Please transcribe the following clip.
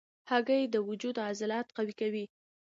هګۍ د وجود عضلات قوي کوي.